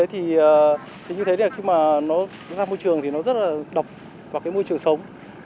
thì như thế này khi mà nó ra môi trường thì nó rất là độc vào cái môi trường sống